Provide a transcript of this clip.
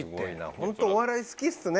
ホントお笑い好きっすね。